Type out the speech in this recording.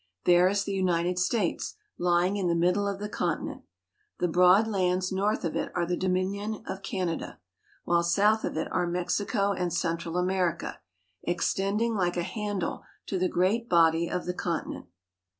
There is the United States, lying in the middle of the continent. The broad lands north of it are the Dominion of Canada, while south of it are Mexico and Central America, extending like a handle to the great body of the continent.